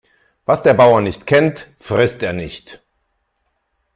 Was der Bauer nicht kennt, frisst er nicht.